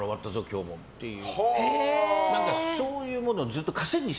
今日もっていう。